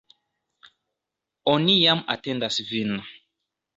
Oni jam atendas vin!